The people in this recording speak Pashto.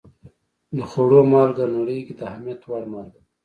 د خوړو مالګه نړۍ کې د اهمیت وړ مالګه ده.